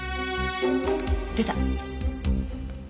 出た。